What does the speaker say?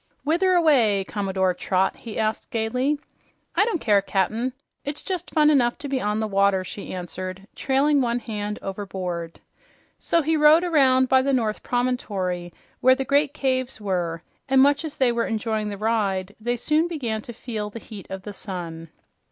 "Whither away, Commodore Trot?" he asked gaily. "I don't care, Cap'n. It's just fun enough to be on the water," she answered, trailing one hand overboard. So he rowed around by the North Promontory, where the great caves were, and much as they were enjoying the ride, they soon began to feel the heat of the sun.